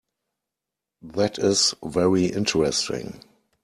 That is very interesting.